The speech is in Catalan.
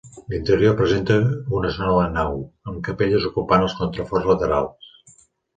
L'interior presenta una sola nau, amb capelles ocupant els contraforts laterals.